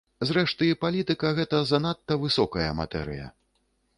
Зрэшты, палітыка гэта занадта высокая матэрыя.